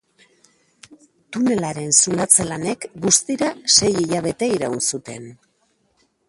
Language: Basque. Tunelaren zulatze-lanek guztira sei hilabete iraun zuten.